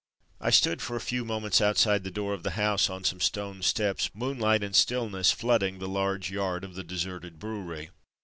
I stood for a few moments outside the door of the house on some stone steps, moon light and stillness flooding the large yard of the deserted brewery.